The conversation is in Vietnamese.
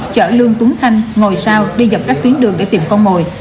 chở lương tuấn khanh ngồi sau đi dọc các tuyến đường để tìm con mồi